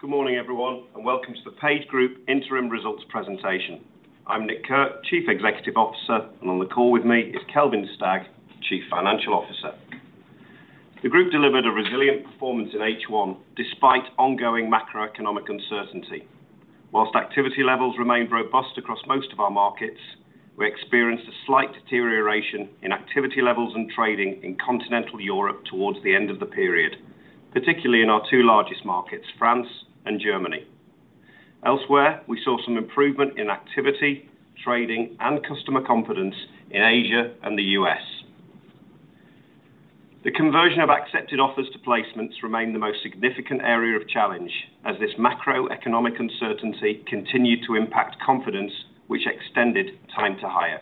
Good morning, everyone, and welcome to the PageGroup Interim Results Presentation. I'm Nick Kirk, Chief Executive Officer, and on the call with me is Kelvin Stagg, Chief Financial Officer. The group delivered a resilient performance in H1 despite ongoing macroeconomic uncertainty. Whilst activity levels remained robust across most of our markets, we experienced a slight deterioration in activity levels and trading in continental Europe towards the end of the period, particularly in our two largest markets, France and Germany. Elsewhere, we saw some improvement in activity, trading, and customer confidence in Asia and the U.S. The conversion of accepted offers to placements remained the most significant area of challenge, as this macroeconomic uncertainty continued to impact confidence, which extended time to hire.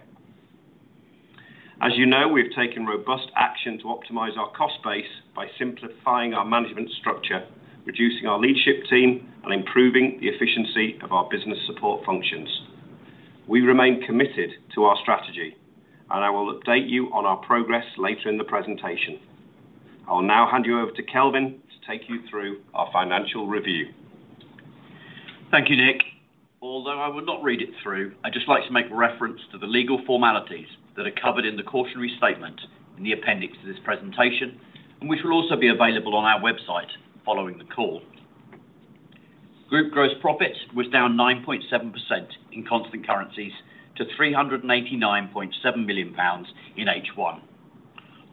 As you know, we've taken robust action to optimize our cost base by simplifying our management structure, reducing our leadership team, and improving the efficiency of our business support functions. We remain committed to our strategy, and I will update you on our progress later in the presentation. I will now hand you over to Kelvin to take you through our financial review. Thank you, Nick. Although I will not read it through, I'd just like to make reference to the legal formalities that are covered in the cautionary statement in the appendix to this presentation, and which will also be available on our website following the call. Group gross profit was down 9.7% in constant currencies to GBP 389.7 million in H1.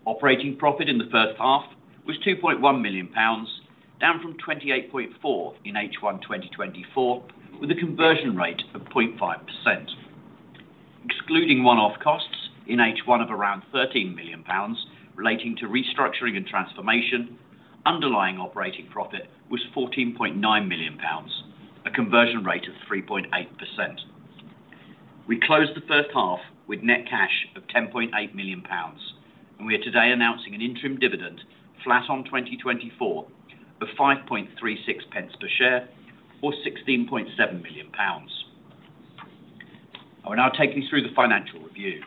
Operating profit in the first half was GBP 2.1 million, down from 28.4 million in H1 2024, with a conversion rate of 0.5%. Excluding one-off costs in H1 of around 13 million pounds relating to restructuring and transformation, underlying operating profit was 14.9 million pounds, a conversion rate of 3.8%. We closed the first half with net cash of 10.8 million pounds, and we are today announcing an interim dividend flat on 2024 of 5.36 per share or 16.7 million pounds. I will now take you through the financial review.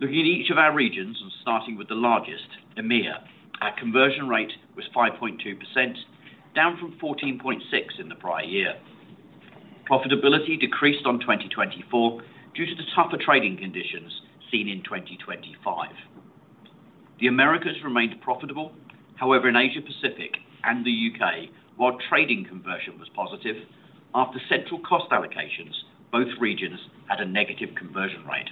Looking at each of our regions and starting with the largest, EMEA, our conversion rate was 5.2%, down from 14.6% in the prior year. Profitability decreased on 2024 due to the tougher trading conditions seen in 2025. The Americas remained profitable. However, in Asia-Pacific and the U.K., while trading conversion was positive, after central cost allocations, both regions had a negative conversion rate.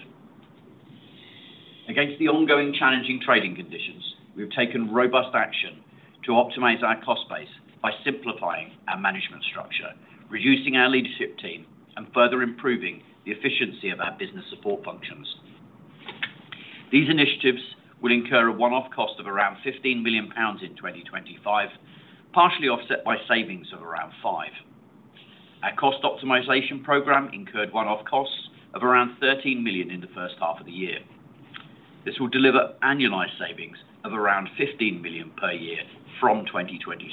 Against the ongoing challenging trading conditions, we've taken robust action to optimize our cost base by simplifying our management structure, reducing our leadership team, and further improving the efficiency of our business support functions. These initiatives will incur a one-off cost of around 15 million pounds in 2025, partially offset by savings of around 5 million. Our cost optimization program incurred one-off costs of around 13 million in the first half of the year. This will deliver annualized savings of around 15 million per year from 2026.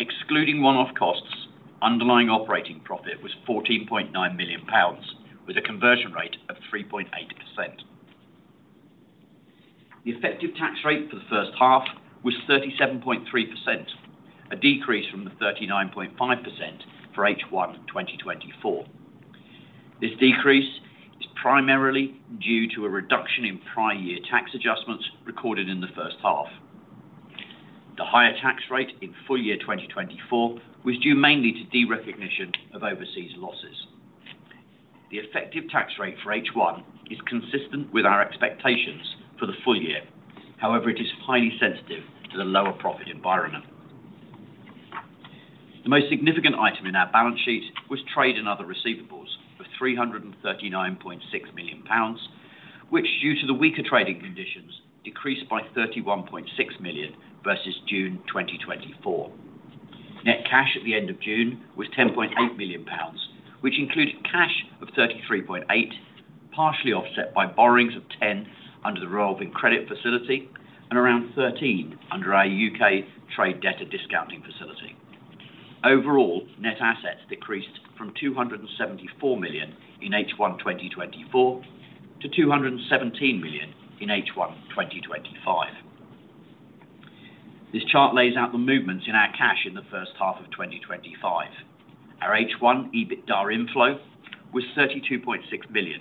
Excluding one-off costs, underlying operating profit was 14.9 million pounds, with a conversion rate of 3.8%. The effective tax rate for the first half was 37.3%, a decrease from the 39.5% for H1 in 2024. This decrease is primarily due to a reduction in prior year tax adjustments recorded in the first half. The higher tax rate in full year 2024 was due mainly to derecognition of overseas losses. The effective tax rate for H1 is consistent with our expectations for the full year. However, it is highly sensitive to the lower profit environment. The most significant item in our balance sheet was trade and other receivables for 339.6 million pounds, which, due to the weaker trading conditions, decreased by 31.6 million versus June 2024. Net cash at the end of June was 10.8 million pounds, which included cash of 33.8 million, partially offset by borrowings of 10 million under the revolving credit facility and around 13 million under our U.K. trade debtor discounting facility. Overall, net assets decreased from 274 million in H1 2024 to 217 million in H1 2025. This chart lays out the movements in our cash in the first half of 2025. Our H1 EBITDA inflow was 32.6 million,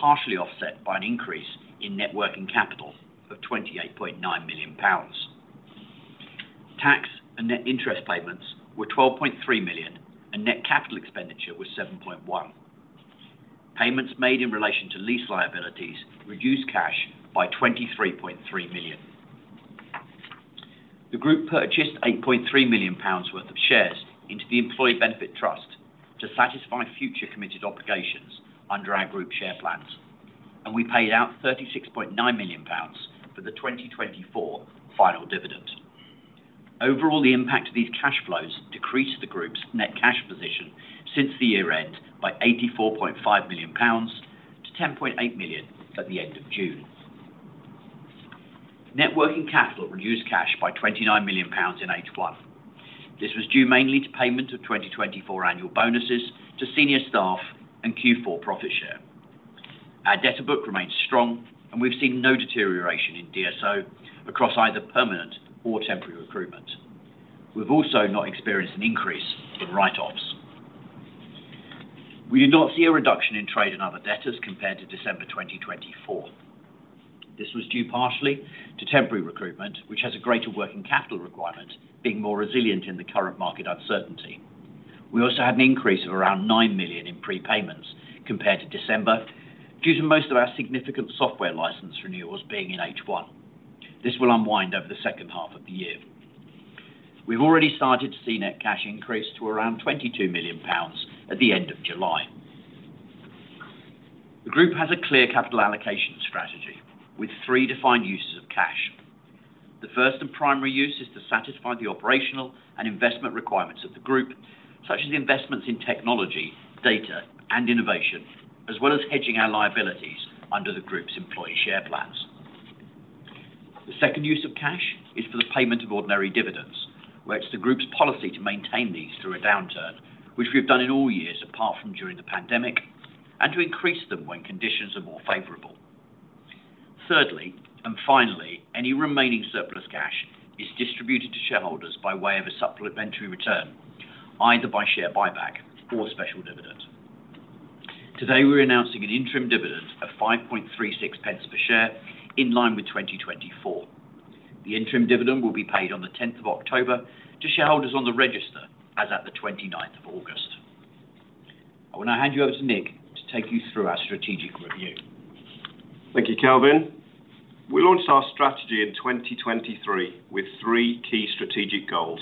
partially offset by an increase in net working capital of 28.9 million pounds. Tax and net interest payments were 12.3 million, and net capital expenditure was 7.1 million. Payments made in relation to lease liabilities reduced cash by 23.3 million. The group purchased 8.3 million pounds worth of shares into the employee benefit trust to satisfy future committed obligations under our group share plans, and we paid out 36.9 million pounds for the 2024 final dividend. Overall, the impact of these cash flows decreased the group's net cash position since the year end by 84.5 million pounds to 10.8 million at the end of June. Net working capital reduced cash by 29 million pounds in H1. This was due mainly to payment of 2024 annual bonuses to senior staff and Q4 profit share. Our debtor book remains strong, and we've seen no deterioration in DSO across either permanent or temporary recruitment. We've also not experienced an increase in write-offs. We did not see a reduction in trade and other debtors compared to December 2024. This was due partially to temporary recruitment, which has a greater working capital requirement being more resilient in the current market uncertainty. We also had an increase of around 9 million in prepayments compared to December due to most of our significant software license renewals being in H1. This will unwind over the second half of the year. We've already started to see net cash increase to around 22 million pounds at the end of July. The group has a clear capital allocation strategy with three defined uses of cash. The first and primary use is to satisfy the operational and investment requirements of the group, such as investments in technology, data, and innovation, as well as hedging our liabilities under the group's employee share plans. The second use of cash is for the payment of ordinary dividends, where it's the group's policy to maintain these through a downturn, which we've done in all years apart from during the pandemic, and to increase them when conditions are more favorable. Thirdly, and finally, any remaining surplus cash is distributed to shareholders by way of a supplementary return, either by share buyback or special dividend. Today, we're announcing an interim dividend of 5.36 per share in line with 2024. The interim dividend will be paid on the 10th of October to shareholders on the register as at the 29th of August. I will now hand you over to Nick to take you through our strategic review. Thank you, Kelvin. We launched our strategy in 2023 with three key strategic goals: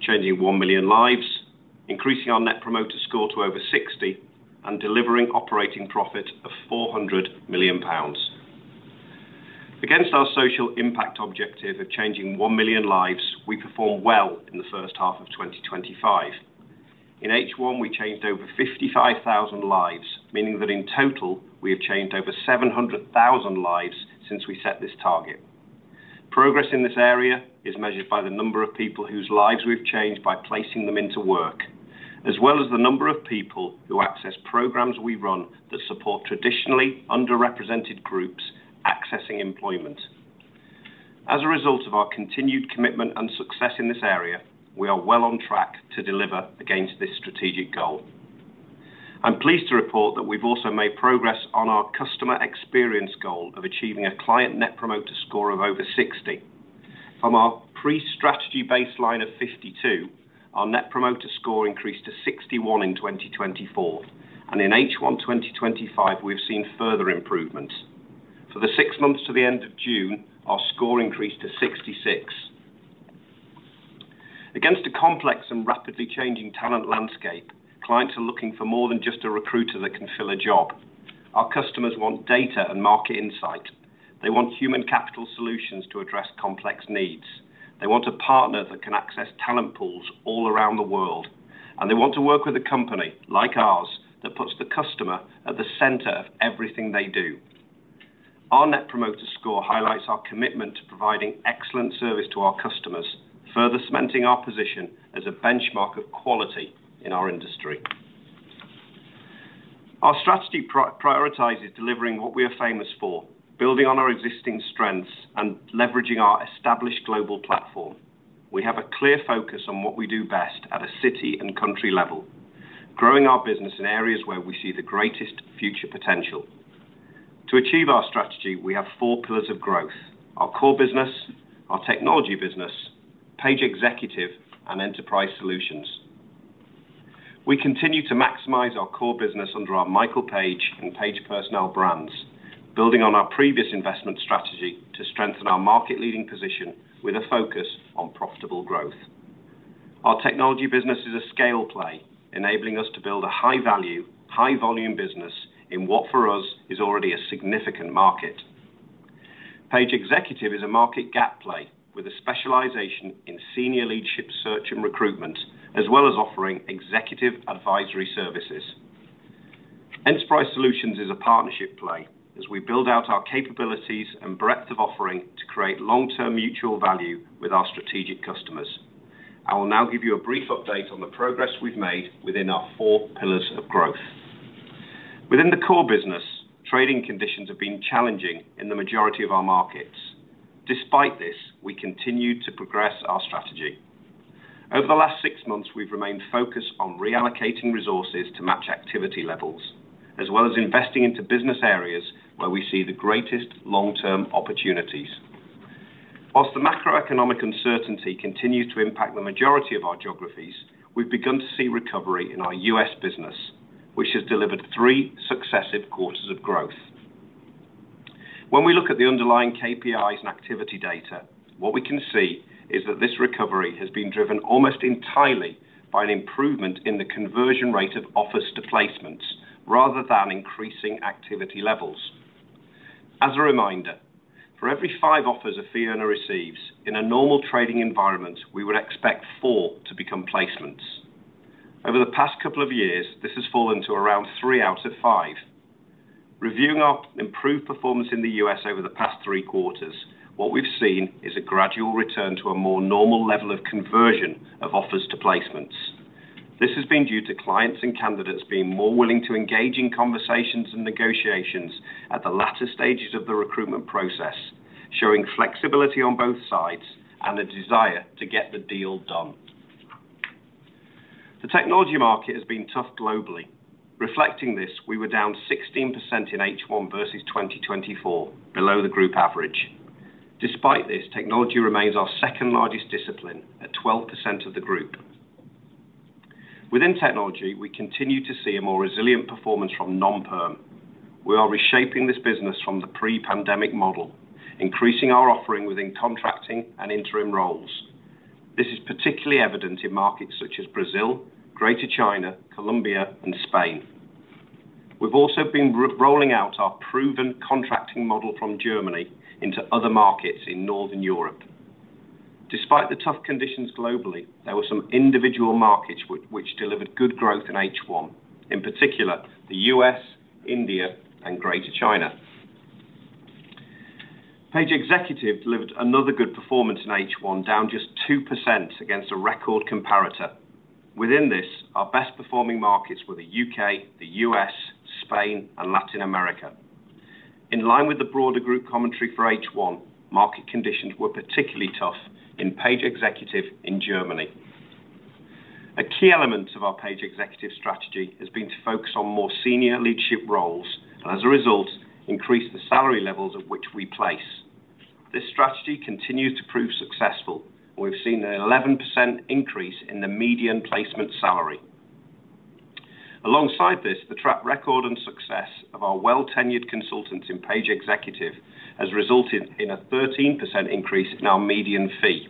changing one million lives, increasing our net promoter score to over 60%, and delivering operating profit of 400 million pounds. Against our social impact objective of changing one million lives, we performed well in the first half of 2025. In H1, we changed over 55,000 lives, meaning that in total, we have changed over 700,000 lives since we set this target. Progress in this area is measured by the number of people whose lives we've changed by placing them into work, as well as the number of people who access programs we run that support traditionally underrepresented groups accessing employment. As a result of our continued commitment and success in this area, we are well on track to deliver against this strategic goal. I'm pleased to report that we've also made progress on our customer experience goal of achieving a client net promoter score of over 60%. From our pre-strategy baseline of 52%, our net promoter score increased to 61% in 2024, and in H1 2025, we've seen further improvements. For the six months to the end of June, our score increased to 66%. Against a complex and rapidly changing talent landscape, clients are looking for more than just a recruiter that can fill a job. Our customers want data and market insight. They want human capital solutions to address complex needs. They want a partner that can access talent pools all around the world, and they want to work with a company like ours that puts the customer at the center of everything they do. Our net promoter score highlights our commitment to providing excellent service to our customers, further cementing our position as a benchmark of quality in our industry. Our strategy prioritizes delivering what we are famous for, building on our existing strengths, and leveraging our established global platform. We have a clear focus on what we do best at a city and country level, growing our business in areas where we see the greatest future potential. To achieve our strategy, we have four pillars of growth: our core business, our technology business, Page Executive, and Enterprise Solutions. We continue to maximize our core business under our Michael Page and Page Personnel brands, building on our previous investment strategy to strengthen our market-leading position with a focus on profitable growth. Our technology business is a scale play, enabling us to build a high-value, high-volume business in what for us is already a significant market. Page Executive is a market gap play with a specialization in senior leadership search and recruitment, as well as offering executive advisory services. Enterprise Solutions is a partnership play as we build out our capabilities and breadth of offering to create long-term mutual value with our strategic customers. I will now give you a brief update on the progress we've made within our four pillars of growth. Within the core business, trading conditions have been challenging in the majority of our markets. Despite this, we continued to progress our strategy. Over the last six months, we've remained focused on reallocating resources to match activity levels, as well as investing into business areas where we see the greatest long-term opportunities. Whilst the macroeconomic uncertainty continues to impact the majority of our geographies, we've begun to see recovery in our U.S. business, which has delivered three successive quarters of growth. When we look at the underlying KPIs and activity data, what we can see is that this recovery has been driven almost entirely by an improvement in the conversion rate of offers to placements rather than increasing activity levels. As a reminder, for every five offers a fee owner receives, in a normal trading environment, we would expect four to become placements. Over the past couple of years, this has fallen to around three out of five. Reviewing our improved performance in the U.S. over the past three quarters, what we've seen is a gradual return to a more normal level of conversion of offers to placements. This has been due to clients and candidates being more willing to engage in conversations and negotiations at the latter stages of the recruitment process, showing flexibility on both sides and the desire to get the deal done. The technology market has been tough globally. Reflecting this, we were down 16% in H1 versus 2024, below the group average. Despite this, technology remains our second largest discipline at 12% of the group. Within technology, we continue to see a more resilient performance from non-perm. We are reshaping this business from the pre-pandemic model, increasing our offering within contracting and interim roles. This is particularly evident in markets such as Brazil, Greater China, Colombia, and Spain. We've also been rolling out our proven contracting model from Germany into other markets in Northern Europe. Despite the tough conditions globally, there were some individual markets which delivered good growth in H1, in particular the U.S., India, and Greater China. Page Executive delivered another good performance in H1, down just 2% against a record comparator. Within this, our best-performing markets were the U.K., the U.S., Spain, and Latin America. In line with the broader group commentary for H1, market conditions were particularly tough in Page Executive in Germany. A key element of our Page Executive strategy has been to focus on more senior leadership roles and, as a result, increase the salary levels at which we place. This strategy continues to prove successful, and we've seen an 11% increase in the median placement salary. Alongside this, the track record and success of our well-tenured consultants in Page Executive has resulted in a 13% increase in our median fee.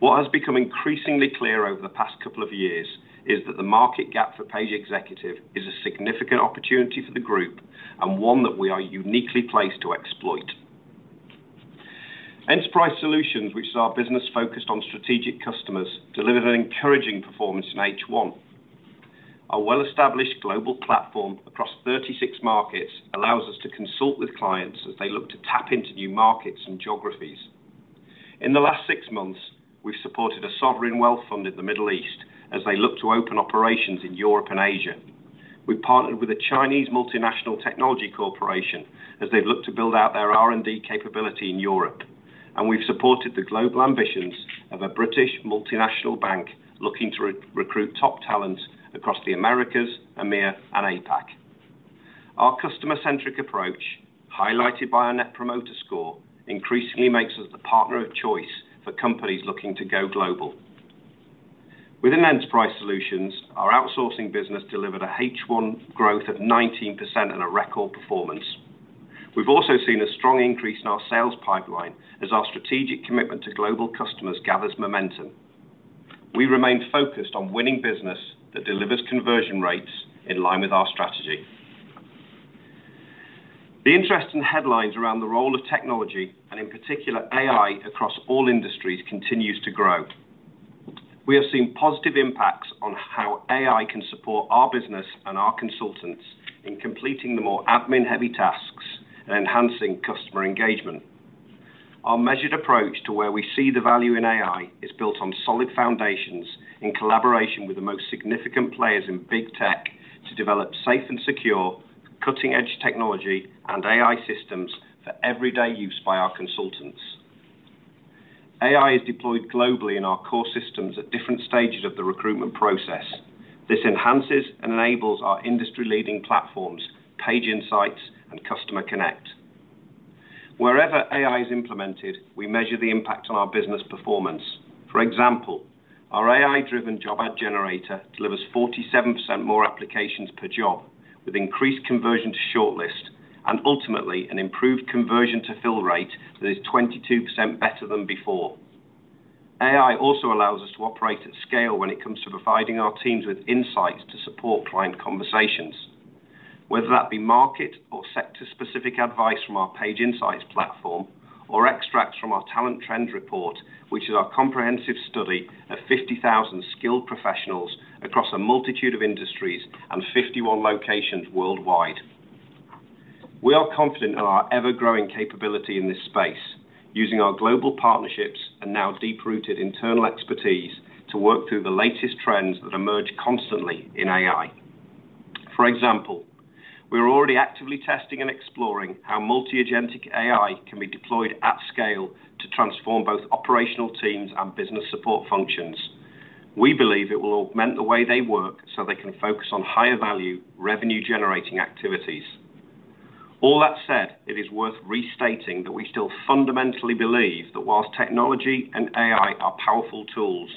What has become increasingly clear over the past couple of years is that the market gap for Page Executive is a significant opportunity for the group and one that we are uniquely placed to exploit. Enterprise Solutions, which is our business focused on strategic customers, delivered an encouraging performance in H1. A well-established global platform across 36 markets allows us to consult with clients as they look to tap into new markets and geographies. In the last six months, we've supported a sovereign wealth fund in the Middle East as they look to open operations in Europe and Asia. We've partnered with a Chinese multinational technology corporation as they've looked to build out their R&D capability in Europe, and we've supported the global ambitions of a British multinational bank looking to recruit top talents across the Americas, EMEA, and APAC. Our customer-centric approach, highlighted by our net promoter score, increasingly makes us the partner of choice for companies looking to go global. Within Enterprise Solutions, our outsourcing business delivered a H1 growth of 19% and a record performance. We've also seen a strong increase in our sales pipeline as our strategic commitment to global customers gathers momentum. We remain focused on winning business that delivers conversion rates in line with our strategy. The interest in headlines around the role of technology and, in particular, AI across all industries continues to grow. We have seen positive impacts on how AI can support our business and our consultants in completing the more admin-heavy tasks and enhancing customer engagement. Our measured approach to where we see the value in AI is built on solid foundations in collaboration with the most significant players in big tech to develop safe and secure cutting-edge technology and AI systems for everyday use by our consultants. AI is deployed globally in our core systems at different stages of the recruitment process. This enhances and enables our industry-leading platforms, Page Insights, and Customer Connect. Wherever AI is implemented, we measure the impact on our business performance. For example, our AI-driven job ad generator delivers 47% more applications per job, with increased conversion to shortlist and, ultimately, an improved conversion to fill rate that is 22% better than before. AI also allows us to operate at scale when it comes to providing our teams with insights to support client conversations, whether that be market or sector-specific advice from our Page Insights platform or extracts from our Talent Trends report, which is our comprehensive study of 50,000 skilled professionals across a multitude of industries and 51 locations worldwide. We are confident in our ever-growing capability in this space, using our global partnerships and now deep-rooted internal expertise to work through the latest trends that emerge constantly in AI. For example, we are already actively testing and exploring how multi-agentic AI can be deployed at scale to transform both operational teams and business support functions. We believe it will augment the way they work so they can focus on higher-value, revenue-generating activities. All that said, it is worth restating that we still fundamentally believe that whilst technology and AI are powerful tools,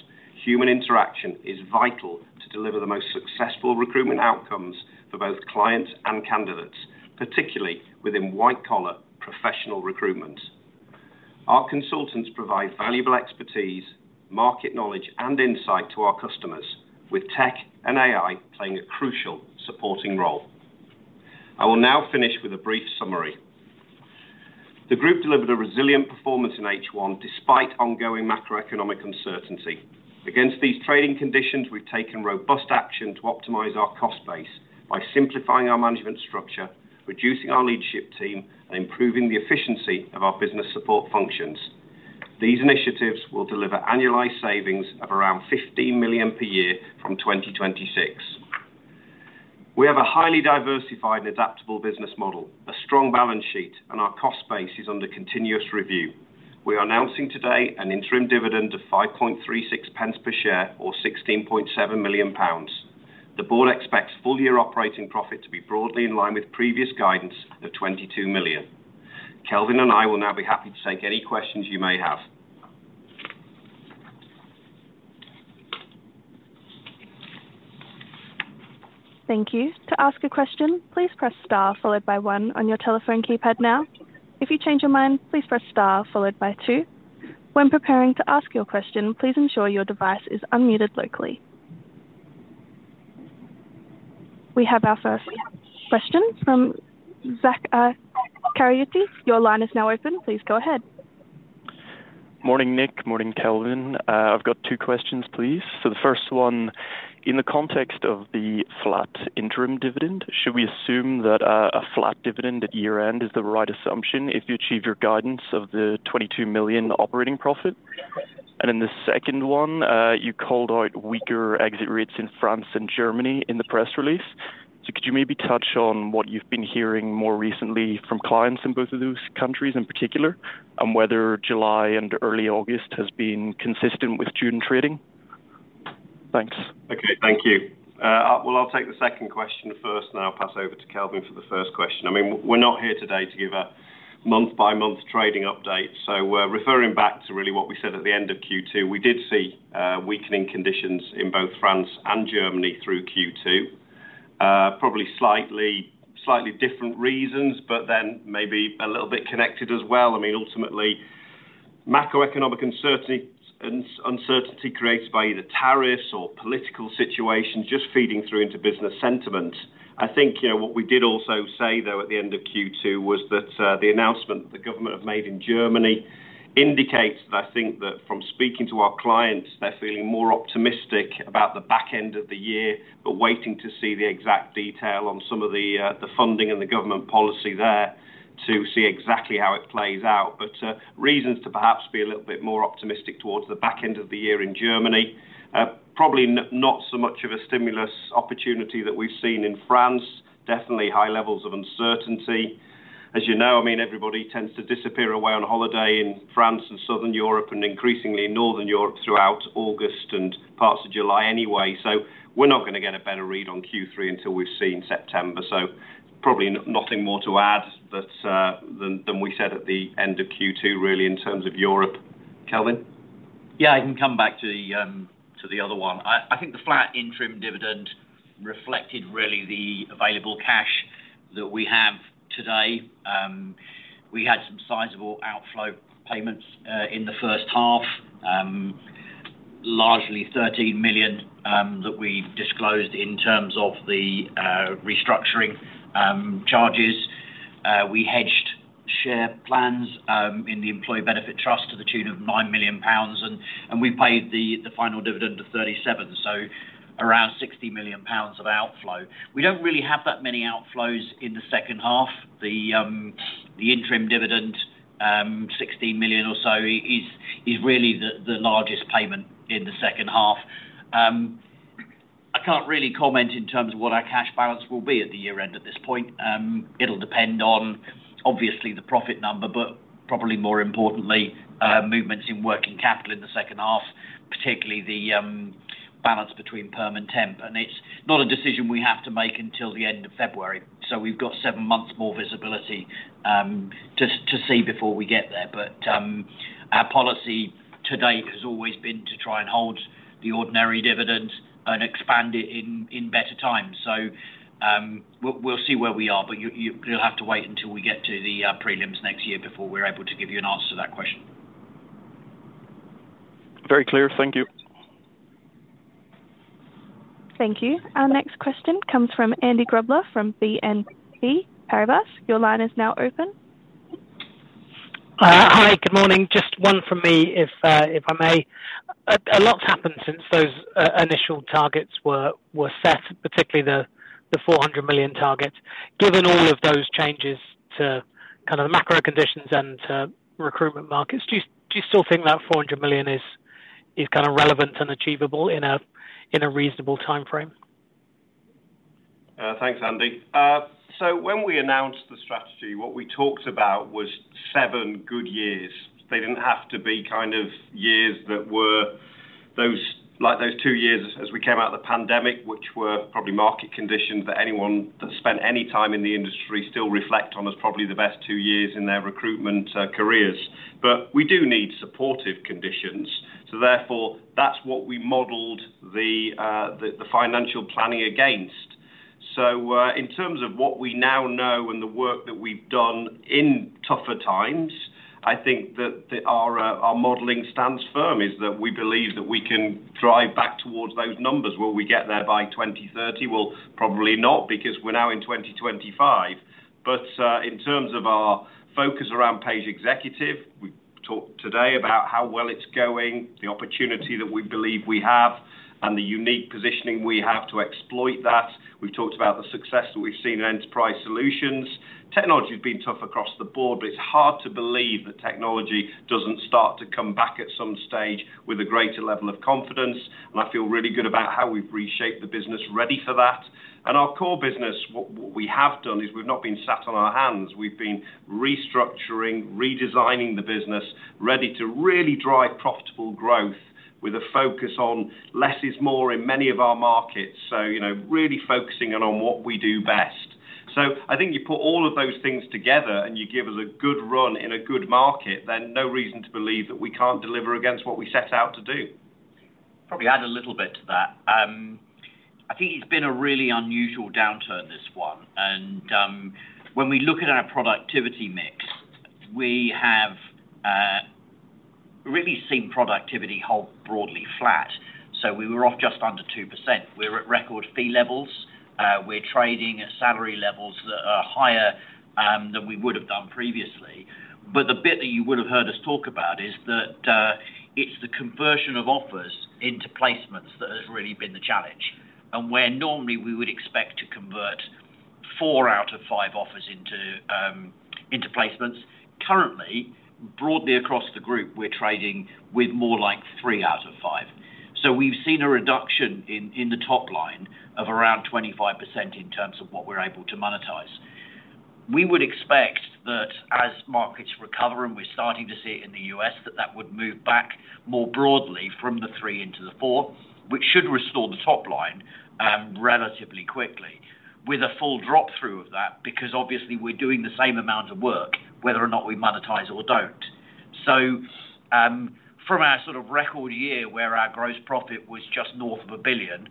human interaction is vital to deliver the most successful recruitment outcomes for both clients and candidates, particularly within white-collar professional recruitment. Our consultants provide valuable expertise, market knowledge, and insight to our customers, with tech and AI playing a crucial supporting role. I will now finish with a brief summary. The group delivered a resilient performance in H1 despite ongoing macroeconomic uncertainty. Against these trading conditions, we've taken robust action to optimize our cost base by simplifying our management structure, reducing our leadership team, and improving the efficiency of our business support functions. These initiatives will deliver annualized savings of around 15 million per year from 2026. We have a highly diversified and adaptable business model, a strong balance sheet, and our cost base is under continuous review. We are announcing today an interim dividend of 5.36 per share or 16.7 million pounds. The board expects full-year operating profit to be broadly in line with previous guidance at 22 million. Kelvin and I will now be happy to take any questions you may have. Thank you. To ask a question, please press star followed by one on your telephone keypad now. If you change your mind, please press star followed by two. When preparing to ask your question, please ensure your device is unmuted locally. We have our first question from Zachariah Al-Qaryooti. Your line is now open. Please go ahead. Morning, Nick. Morning, Kelvin. I've got two questions, please. The first one, in the context of the flat interim dividend, should we assume that a flat dividend at year-end is the right assumption if you achieve your guidance of the 22 million operating profit? In the second one, you called out weaker exit rates in France and Germany in the press release. Could you maybe touch on what you've been hearing more recently from clients in both of those countries in particular and whether July and early August have been consistent with June trading? Thanks. Okay, thank you. I'll take the second question first, and I'll pass over to Kelvin for the first question. We're not here today to give a month-by-month trading update. Referring back to what we said at the end of Q2, we did see weakening conditions in both France and Germany through Q2. Probably slightly different reasons, but maybe a little bit connected as well. Ultimately, macroeconomic uncertainty created by either tariffs or political situations is just feeding through into business sentiment. I think what we did also say at the end of Q2 was that the announcement that the government have made in Germany indicates that from speaking to our clients, they're feeling more optimistic about the back end of the year, but waiting to see the exact detail on some of the funding and the government policy there to see exactly how it plays out. There are reasons to perhaps be a little bit more optimistic towards the back end of the year in Germany, probably not so much of a stimulus opportunity that we've seen in France. Definitely high levels of uncertainty. As you know, everybody tends to disappear away on holiday in France and southern Europe and increasingly in northern Europe throughout August and parts of July anyway. We're not going to get a better read on Q3 until we've seen September. Probably nothing more to add than we said at the end of Q2, in terms of Europe. Kelvin? Yeah, I can come back to the other one. I think the flat interim dividend reflected really the available cash that we have today. We had some sizable outflow payments in the first half, largely 13 million that we disclosed in terms of the restructuring charges. We hedged share plans in the employee benefit trust to the tune of 9 million pounds, and we paid the final dividend of 37 million, so around 60 million pounds of outflow. We don't really have that many outflows in the second half. The interim dividend, 16 million or so, is really the largest payment in the second half. I can't really comment in terms of what our cash balance will be at the year end at this point. It'll depend on, obviously, the profit number, but probably more importantly, movements in working capital in the second half, particularly the balance between perm and temp. It's not a decision we have to make until the end of February. We've got seven months more visibility to see before we get there. Our policy to date has always been to try and hold the ordinary dividend and expand it in better times. We'll see where we are, but you'll have to wait until we get to the prelims next year before we're able to give you an answer to that question. Very clear. Thank you. Thank you. Our next question comes from Andy Grobler from BNP Paribas. Your line is now open. Hi. Good morning. Just one from me, if I may. A lot's happened since those initial targets were set, particularly the 400 million target. Given all of those changes to the macro conditions and recruitment markets, do you still think that 400 million is relevant and achievable in a reasonable timeframe? Thanks, Andy. When we announced the strategy, what we talked about was seven good years. They didn't have to be years that were like those two years as we came out of the pandemic, which were probably market conditions that anyone that spent any time in the industry still reflect on as probably the best two years in their recruitment careers. We do need supportive conditions. That's what we modeled the financial planning against. In terms of what we now know and the work that we've done in tougher times, I think that our modeling stands firm, is that we believe that we can drive back towards those numbers. Will we get there by 2030? Probably not because we're now in 2025. In terms of our focus around Page Executive, we talked today about how well it's going, the opportunity that we believe we have, and the unique positioning we have to exploit that. We've talked about the success that we've seen in Enterprise Solutions. Technology has been tough across the board, but it's hard to believe that technology doesn't start to come back at some stage with a greater level of confidence. I feel really good about how we've reshaped the business ready for that. Our core business, what we have done is we've not been sat on our hands. We've been restructuring, redesigning the business ready to really drive profitable growth with a focus on less is more in many of our markets, really focusing on what we do best. I think you put all of those things together and you give us a good run in a good market, then no reason to believe that we can't deliver against what we set out to do. Probably add a little bit to that. I think it's been a really unusual downturn, this one. When we look at our productivity mix, we have really seen productivity hold broadly flat. We were off just under 2%. We're at record fee levels. We're trading at salary levels that are higher than we would have done previously. The bit that you would have heard us talk about is that it's the conversion of offers into placements that has really been the challenge. Where normally we would expect to convert four out of five offers into placements, currently, broadly across the group, we're trading with more like three out of five. We've seen a reduction in the top line of around 25% in terms of what we're able to monetize. We would expect that as markets recover and we're starting to see it in the U.S., that that would move back more broadly from the three into the four, which should restore the top line relatively quickly with a full drop through of that because obviously we're doing the same amount of work whether or not we monetize or don't. From our sort of record year where our gross profit was just north of 1 billion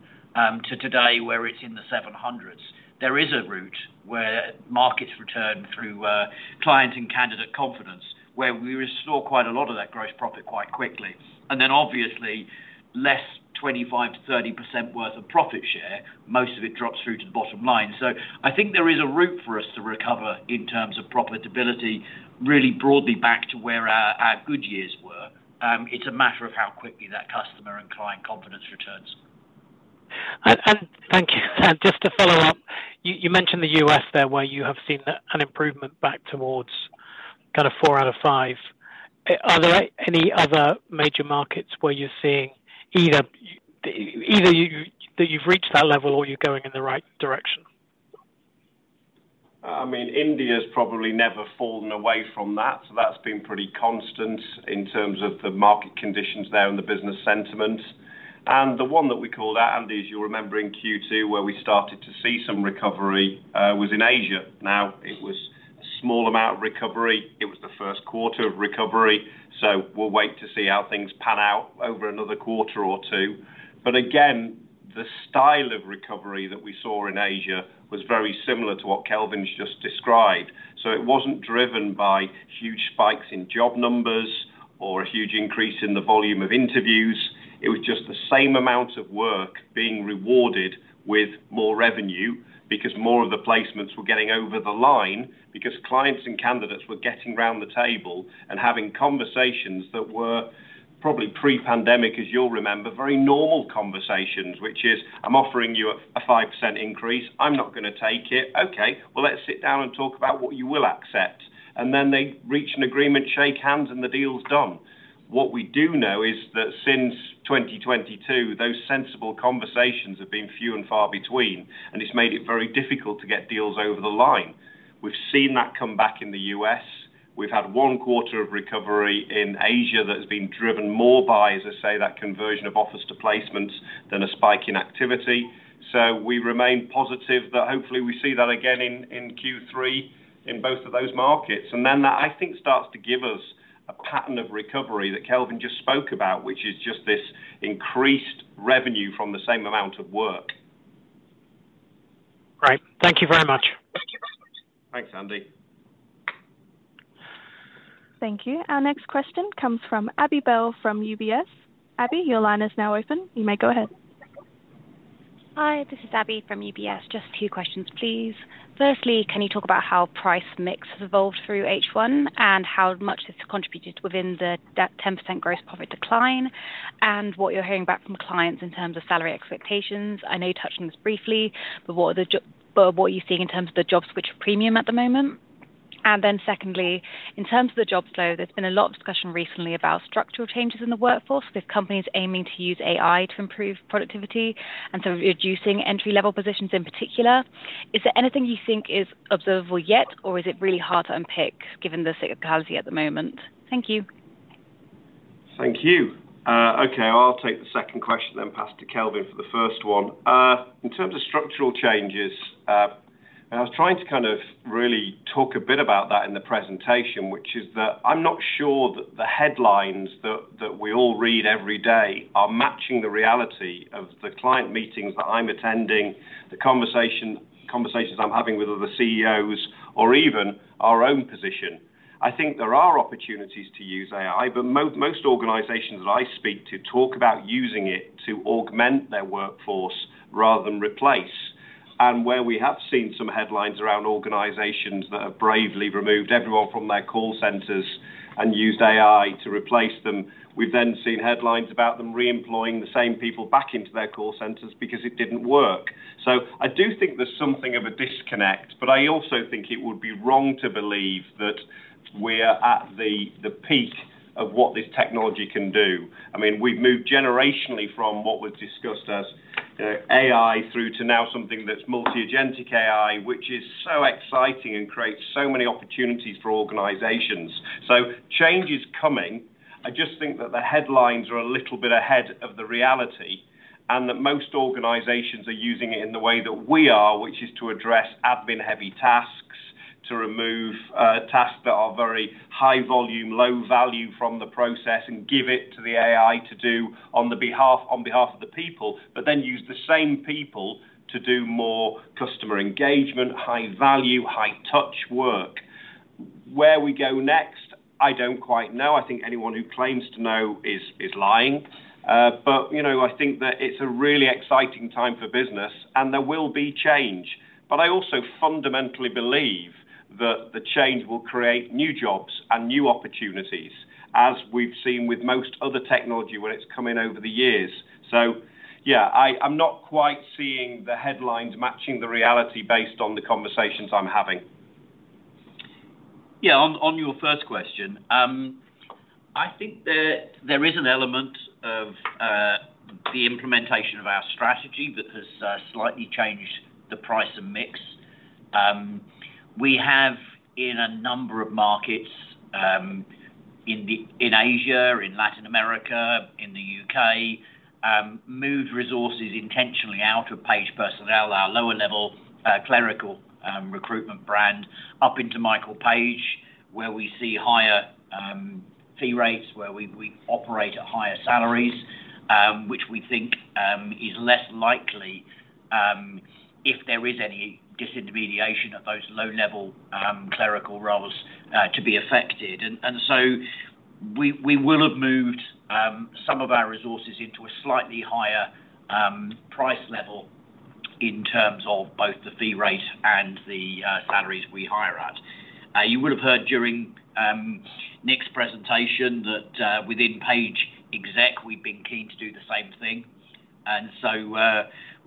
to today where it's in the 700 million, there is a route where markets return through client and candidate confidence where we restore quite a lot of that gross profit quite quickly. Obviously, less 25%-30% worth of profit share, most of it drops through to the bottom line. I think there is a route for us to recover in terms of profitability, really broadly back to where our good years were. It's a matter of how quickly that customer and client confidence returns. Thank you. Just to follow up, you mentioned the U.S. there where you have seen an improvement back towards kind of four out of five. Are there any other major markets where you're seeing either that you've reached that level or you're going in the right direction? I mean, India has probably never fallen away from that. That's been pretty constant in terms of the market conditions there and the business sentiment. The one that we call out, Andy, as you remember in Q2, where we started to see some recovery, was in Asia. It was a small amount of recovery. It was the first quarter of recovery. We'll wait to see how things pan out over another quarter or two. Again, the style of recovery that we saw in Asia was very similar to what Kelvin's just described. It wasn't driven by huge spikes in job numbers or a huge increase in the volume of interviews. It was just the same amount of work being rewarded with more revenue because more of the placements were getting over the line because clients and candidates were getting around the table and having conversations that were probably pre-pandemic, as you'll remember, very normal conversations, which is, "I'm offering you a 5% increase. I'm not going to take it." "Okay, let's sit down and talk about what you will accept." Then they reach an agreement, shake hands, and the deal's done. What we do know is that since 2022, those sensible conversations have been few and far between, and it's made it very difficult to get deals over the line. We've seen that come back in the U.S. We've had one quarter of recovery in Asia that has been driven more by, as I say, that conversion of offers to placements than a spike in activity. We remain positive that hopefully we see that again in Q3 in both of those markets. I think that starts to give us a pattern of recovery that Kelvin just spoke about, which is just this increased revenue from the same amount of work. Great. Thank you very much. Thanks, Andy. Thank you. Our next question comes from Abi Bell from UBS. Abi, your line is now open. You may go ahead. Hi, this is Abi from UBS. Just two questions, please. Firstly, can you talk about how price mix has evolved through H1 and how much this has contributed within the 10% gross profit decline, and what you're hearing back from clients in terms of salary expectations? I know you touched on this briefly, but what are you seeing in terms of the job switch premium at the moment? Secondly, in terms of the job flow, there's been a lot of discussion recently about structural changes in the workforce with companies aiming to use AI to improve productivity and some reducing entry-level positions in particular. Is there anything you think is observable yet, or is it really hard to unpick given the cyclicality at the moment? Thank you. Thank you. Okay, I'll take the second question and then pass to Kelvin for the first one. In terms of structural changes, I was trying to really talk a bit about that in the presentation, which is that I'm not sure that the headlines that we all read every day are matching the reality of the client meetings that I'm attending, the conversations I'm having with other CEOs, or even our own position. I think there are opportunities to use AI, but most organizations that I speak to talk about using it to augment their workforce rather than replace. Where we have seen some headlines around organizations that have bravely removed everyone from their call centers and used AI to replace them, we've then seen headlines about them re-employing the same people back into their call centers because it didn't work. I do think there's something of a disconnect, but I also think it would be wrong to believe that we are at the peak of what this technology can do. I mean, we've moved generationally from what was discussed as AI through to now something that's multi-agentic AI, which is so exciting and creates so many opportunities for organizations. Change is coming. I just think that the headlines are a little bit ahead of the reality and that most organizations are using it in the way that we are, which is to address admin-heavy tasks, to remove tasks that are very high volume, low value from the process, and give it to the AI to do on behalf of the people, but then use the same people to do more customer engagement, high value, high touch work. Where we go next, I don't quite know. I think anyone who claims to know is lying. I think that it's a really exciting time for business, and there will be change. I also fundamentally believe that the change will create new jobs and new opportunities, as we've seen with most other technology where it's come in over the years. I'm not quite seeing the headlines matching the reality based on the conversations I'm having. Yeah, on your first question, I think there is an element of the implementation of our strategy that has slightly changed the price and mix. We have in a number of markets in Asia, in Latin America, in the U.K., moved resources intentionally out of Page Personnel, our lower-level clerical recruitment brand, up into Michael Page, where we see higher fee rates, where we operate at higher salaries, which we think is less likely if there is any disintermediation of those low-level clerical roles to be affected. We will have moved some of our resources into a slightly higher price level in terms of both the fee rate and the salaries we hire at. You would have heard during Nick's presentation that within Page Executive, we've been keen to do the same thing.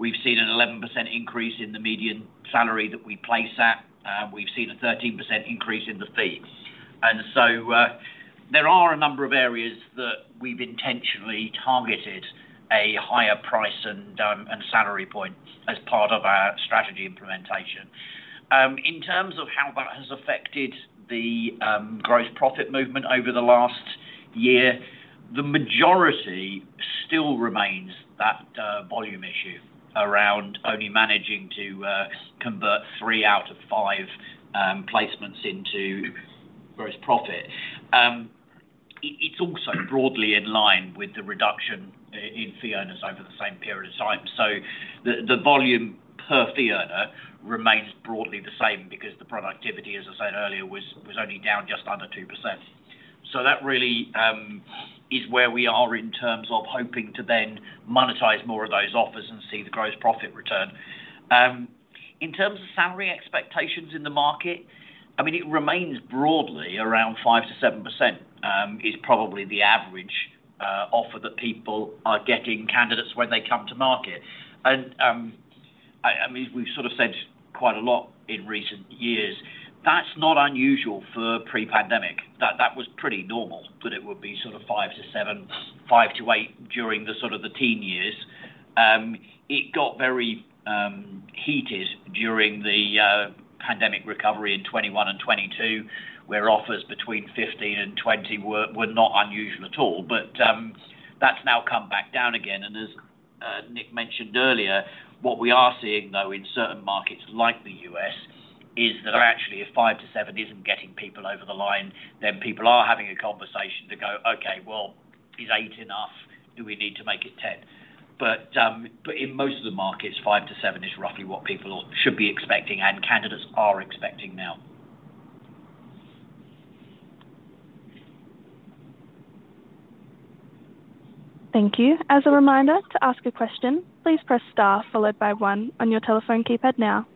We've seen an 11% increase in the median salary that we place at. We've seen a 13% increase in the fee. There are a number of areas that we've intentionally targeted a higher price and salary point as part of our strategy implementation. In terms of how that has affected the gross profit movement over the last year, the majority still remains that volume issue around only managing to convert three out of five placements into gross profit. It's also broadly in line with the reduction in fee owners over the same period of time. The volume per fee owner remains broadly the same because the productivity, as I said earlier, was only down just under 2%. That really is where we are in terms of hoping to then monetize more of those offers and see the gross profit return. In terms of salary expectations in the market, it remains broadly around 5%-7% is probably the average offer that people are getting candidates when they come to market. We've sort of said quite a lot in recent years. That's not unusual for pre-pandemic. That was pretty normal that it would be sort of 5%-7%, 5%-8% during the sort of the teen years. It got very heated during the pandemic recovery in 2021 and 2022 where offers between 15%-20% were not unusual at all. That's now come back down again. As Nick mentioned earlier, what we are seeing, though, in certain markets like the U.S. is that actually if 5%-7% isn't getting people over the line, then people are having a conversation to go, "Okay, well, is 8% enough? Do we need to make it 10%?" In most of the markets, 5%-7% is roughly what people should be expecting and candidates are expecting now. Thank you. As a reminder, to ask a question, please press star followed by one on your telephone keypad now.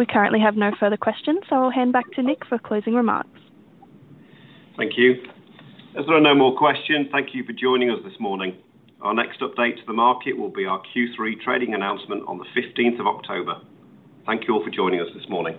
We currently have no further questions, so I'll hand back to Nick for closing remarks. Thank you. If there are no more questions, thank you for joining us this morning. Our next update to the market will be our Q3 trading announcement on the 15th of October. Thank you all for joining us this morning.